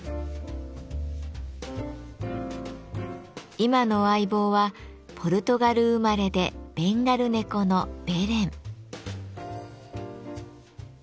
今の相棒はポルトガル生まれでベンガル猫のベレン。